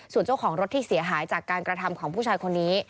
ส่วนเจ้าของรถที่เสียหายจากการกระทำของผู้ชายคนนี้